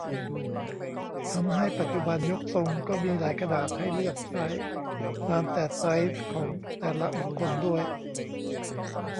ทำให้ปัจจุบันยกทรงก็มีหลายขนาดให้เลือกใช้ตามแต่ไซซ์ของแต่ละบุคคลด้วย